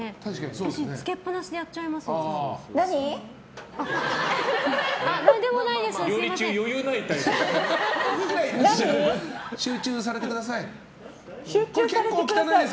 私、つけっぱなしでやっちゃいます。